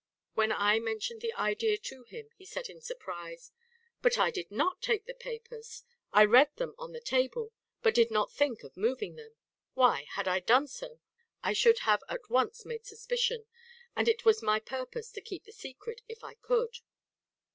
When I mentioned the idea to him he said in surprise: "But I did not take the papers! I read them on the table; but did not think of moving them. Why, had I done so, I should have at once made suspicion; and it was my purpose to keep the secret if I could."